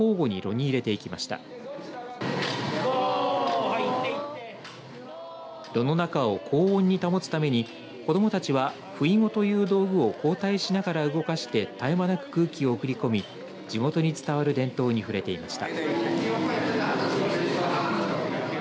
炉の中を高温に保つために子どもたちは、ふいごという道具を交代しながら動かして絶え間なく空気を送り込み地元に伝わる伝統に触れていました。